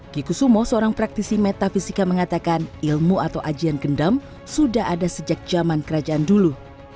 kikusumo seorang praktisi metafisika mengatakan ilmu atau ajian gendam sudah ada sejak zaman kerajaan dulu